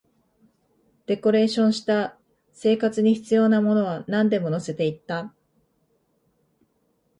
デコレーションした、生活に必要なものはなんでも乗せていった